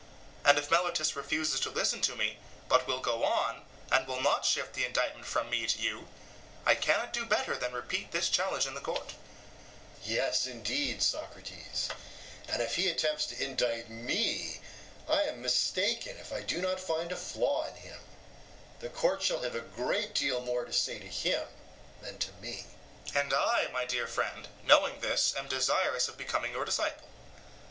And if Meletus refuses to listen to me, but will go on, and will not shift the indictment from me to you, I cannot do better than repeat this challenge in the court. EUTHYPHRO: Yes, indeed, Socrates; and if he attempts to indict me I am mistaken if I do not find a flaw in him; the court shall have a great deal more to say to him than to me. SOCRATES: And I, my dear friend, knowing this, am desirous of becoming your disciple.